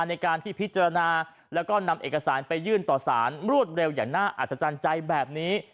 ในการที่พิจารณาแล้วก็นำเอกสารไปยื่นต่อสารรวดเร็วอย่างน่าอัศจรรย์ใจแบบนี้